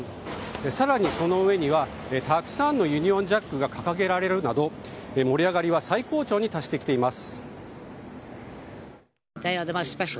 更に、その上にはたくさんのユニオンジャックが掲げられるなど盛り上がりは最高潮に達してきています。